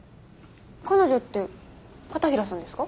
彼女って片平さんですか？